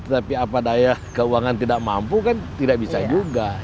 tapi apa daya keuangan tidak mampu kan tidak bisa juga